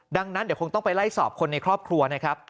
ดังนั้นเดี๋ยวคงต้องไปไล่สอบคนในครอบครัวนะครับ